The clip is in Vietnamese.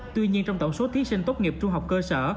tuy nhiên trong tổng số thí sinh tốt nghiệp trung học cơ sở